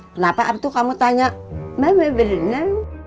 kenapa abtu kamu tanya emak mau berenang